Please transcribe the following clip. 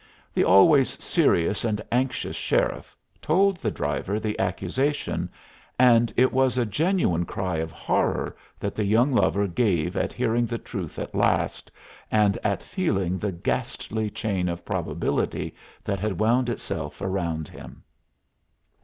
The always serious and anxious sheriff told the driver the accusation, and it was a genuine cry of horror that the young lover gave at hearing the truth at last, and at feeling the ghastly chain of probability that had wound itself about him.